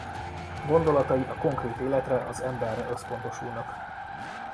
Gondolatai a konkrét életre az emberre összpontosulnak.